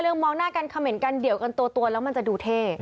มองหน้ากันเขม่นกันเดี่ยวกันตัวแล้วมันจะดูเท่